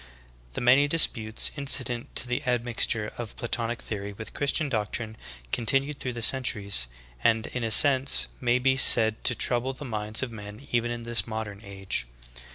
The many disputes incident to the admixture of Platonic theory with Christian doctrine continued through the centuries, and in a sense may be said to trouble the minds of men even in this modern age.